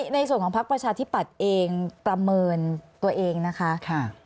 ในส่วนของพักประชาธิปัตย์เองประเมินตัวเองนะคะ